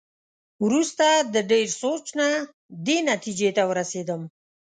وروسته د ډېر سوچ نه دې نتېجې ته ورسېدم.